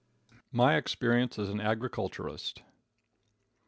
My Experience as an Agriculturist.